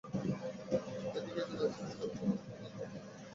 এদিকে ঈদুল আজহার পরপরই অনন্ত তাঁর নতুন ছবির কাজ শুরু করবেন।